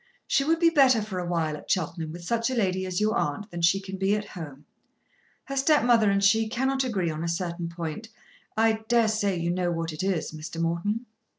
She would be better for awhile at Cheltenham with such a lady as your aunt than she can be at home. Her stepmother and she cannot agree on a certain point. I dare say you know what it is, Mr. Morton?"